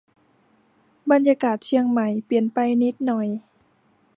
บรรยากาศเชียงใหม่เปลี่ยนไปนิดหน่อย